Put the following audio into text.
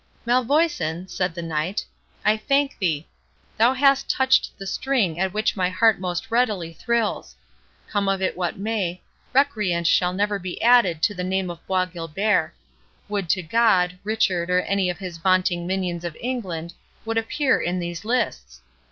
"Malvoisin," said the Knight, "I thank thee—thou hast touched the string at which my heart most readily thrills!—Come of it what may, recreant shall never be added to the name of Bois Guilbert. Would to God, Richard, or any of his vaunting minions of England, would appear in these lists!